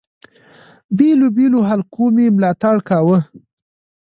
بېلو بېلو حلقو مي ملاتړ کاوه.